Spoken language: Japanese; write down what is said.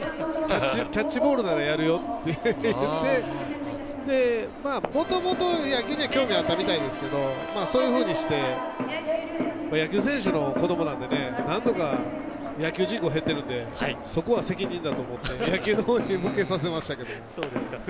キャッチボールならやるよって言ってもともと野球には興味あったみたいですけどそういうふうにして野球選手の子どもなんでなんとか、野球人口が減ってるのでそこは責任だと思って野球のほうに向けさせましたけども。